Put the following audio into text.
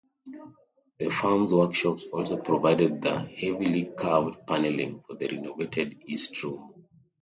The firm's workshops also provided the heavily carved paneling for the renovated East Room.